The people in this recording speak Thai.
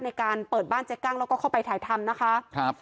ในการเปิดบ้านเจ๊กล้างแล้วก็เข้าไปถ่ายธรรมนะคะ